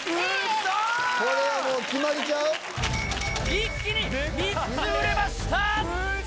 一気に３つ売れました。